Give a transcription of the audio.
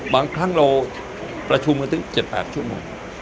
บางครั้งเราประชุมกันถึง๗๘ชั่วโมง